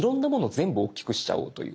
全部おっきくしちゃおうという。